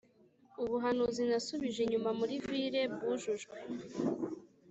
ubuhanuzi nasubije inyuma muri ville, bwujujwe